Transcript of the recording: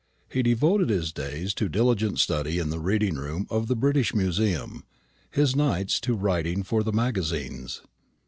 He devoted his days to diligent study in the reading room of the British Museum, his nights to writing for the magazines.